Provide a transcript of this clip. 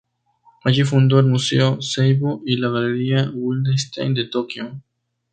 Allí fundó el museo 'Seibu' y la galería 'Wildenstein' de Tokio.